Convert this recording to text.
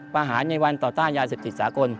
ประหารในวันต่อต้านยาเศรษฐศาสตร์กล